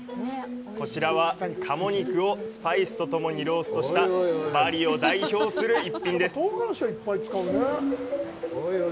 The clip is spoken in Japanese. こちらは鴨肉をスパイスと共にローストしたバリを代表する一品です。